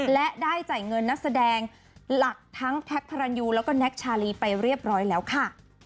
และได้จ่ายเงินนักแสดงหลักทั้งแท็กพระรันยูแล้วก็แน็กชาลีไปเรียบร้อยแล้วค่ะ